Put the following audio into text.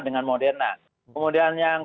dengan moderna kemudian yang